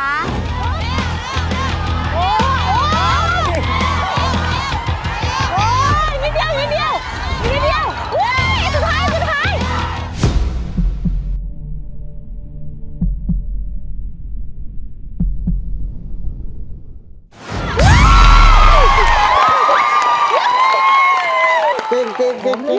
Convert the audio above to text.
อันนี้เดียวอันนี้เดียว